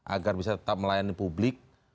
agar bisa tetap melayani publik